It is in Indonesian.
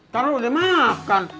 kan lo udah makan